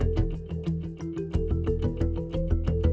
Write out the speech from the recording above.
ที่นี่ล่ะครับ